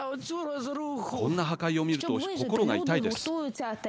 こんな破壊を見ると心が痛いです。